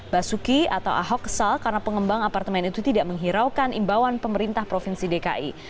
basuki atau ahok kesal karena pengembang apartemen itu tidak menghiraukan imbauan pemerintah provinsi dki